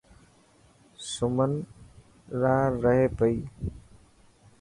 سمن ران رهي پئي.